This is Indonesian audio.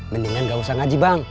mendingan gak usah ngaji bang